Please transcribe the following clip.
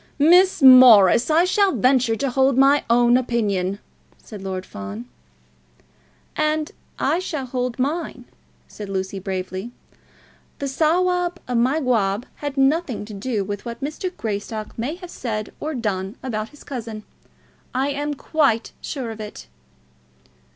"Miss Morris, I shall venture to hold my own opinion," said Lord Fawn. "And I shall hold mine," said Lucy bravely. "The Sawab of Mygawb had nothing to do with what Mr. Greystock may have said or done about his cousin. I am quite sure of it."